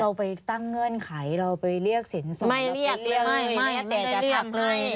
เราไปตั้งเงื่อนไขเราไปเรียกเศรษฐไม่เรียกเลยไม่ไม่ได้เรียกเลย